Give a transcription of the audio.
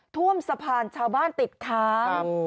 ท่วมสะพานชาวบ้านติดค้าง